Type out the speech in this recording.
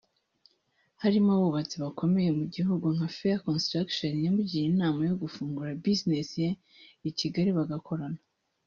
harimo abubatsi bakomeye mu gihugu nka Fair Construction yamugiriye inama yo gufungura Busines ye i Kigali bagakorana